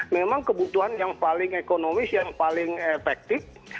memang kebutuhan yang paling ekonomis yang paling efektif